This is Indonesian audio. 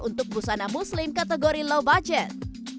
untuk busana muslim kategori low budget